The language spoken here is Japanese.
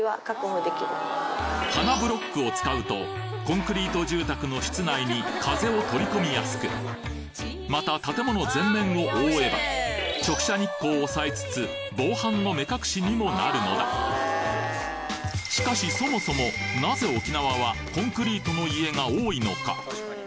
花ブロックを使うとコンクリート住宅の室内に風を取り込みやすくまた建物全面を覆えば直射日光を抑えつつ防犯の目隠しにもなるのだしかしそもそもの家が多いのか？